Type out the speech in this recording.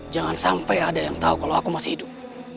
jangan sampai ada yang tahu kalau aku masih hidup